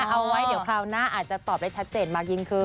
เอาไว้เดี๋ยวคราวหน้าอาจจะตอบได้ชัดเจนมากยิ่งขึ้น